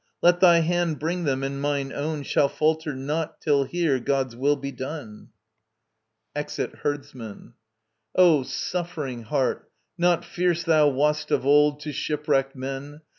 Let thy hand bring them, and mine own Shall falter not till here God's will be done. [EXIT HERDSMAN.] O suffering heart, not fierce thou wast of old To shipwrecked men.